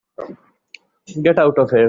Get out of here.